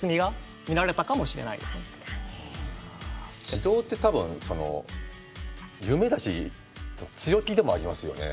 自動って多分その夢だし強気でもありますよね。